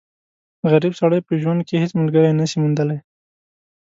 غریب سړی په ژوند کښي هيڅ ملګری نه سي موندلای.